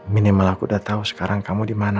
minimal aku udah tau sekarang kamu dimana nak